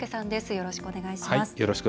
よろしくお願いします。